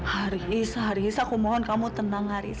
haris haris aku mohon kamu tenang haris